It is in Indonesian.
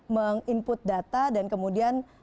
menginput data dan kemudian